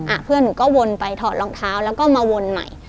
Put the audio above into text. เพื่อนหนูก็วนไปถอดรองเท้าแล้วก็มาวนใหม่